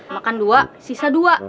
makan dua sisa dua